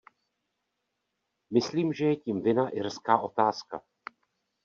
Myslím, že je tím vinna irská otázka.